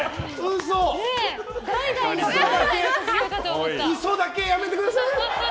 嘘だけはやめてください。